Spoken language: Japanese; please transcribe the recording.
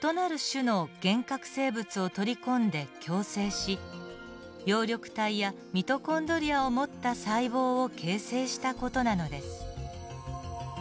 生物を取り込んで共生し葉緑体やミトコンドリアを持った細胞を形成した事なのです。